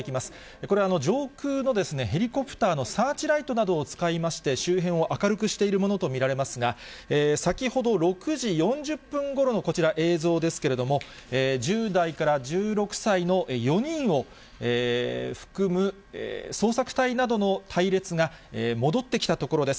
これ、上空のヘリコプターのサーチライトなどを使いまして、周辺を明るくしているものと見られますが、先ほど６時４０分ごろのこちら、映像ですけれども、１０代から１６歳の４人を含む、捜索隊などの隊列が、戻ってきたところです。